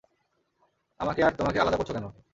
আমাকে আর তোমাকে আলাদা করছ কেন?